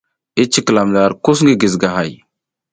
I cikilam le ar kus ngi gizigahay.